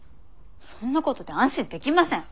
そんなことで安心できません！